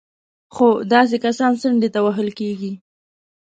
خو داسې کسان څنډې ته وهل کېږي